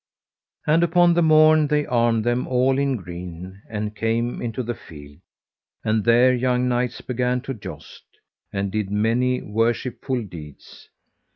And upon the morn they armed them all in green, and came into the field; and there young knights began to joust, and did many worshipful deeds.